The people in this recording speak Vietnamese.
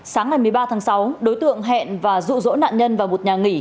sáng ngày một mươi ba tháng sáu đối tượng hẹn và rụ rỗ nạn nhân vào một nhà nghỉ